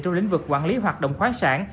trong lĩnh vực quản lý hoạt động khoát sản